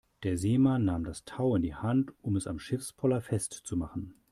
Der Seemann nahm das Tau in die Hand, um es am Schiffspoller festzumachen.